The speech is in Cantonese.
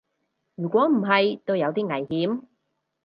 如果唔係都有啲危險